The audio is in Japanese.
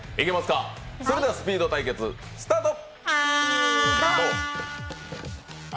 それではスピード対決、スタート。